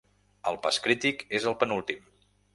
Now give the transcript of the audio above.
El pas crític és el penúltim.